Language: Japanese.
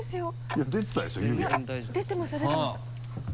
いや出てました出てました。